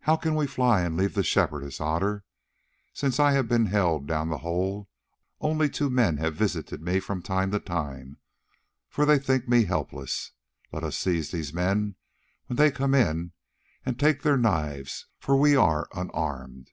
"How can we fly and leave the Shepherdess, Otter? Since I have been held down the hole, only two men have visited me from time to time, for they think me helpless. Let us seize these men when they come in and take their knives, for we are unarmed.